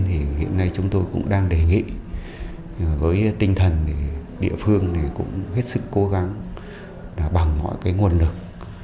hiện nay chúng tôi cũng đang đề nghị với tinh thần địa phương cũng hết sức cố gắng bằng mọi nguồn lực